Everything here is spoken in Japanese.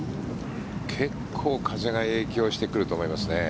結構、風が影響してくると思いますね。